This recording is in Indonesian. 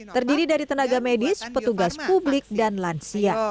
terdiri dari tenaga medis petugas publik dan lansia